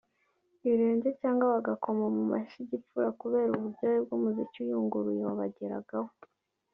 ibirenge cyangwa bagakoma mu mashyi gipfura kubera uburyohe bw’umuziki uyunguruye wabageragaho